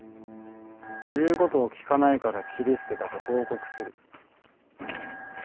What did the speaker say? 言うことを聞かないから斬り捨てたと報告する。